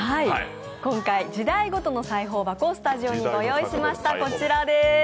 今回、時代ごとの裁縫箱をスタジオにご用意しました。